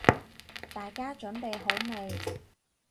大家準備好未？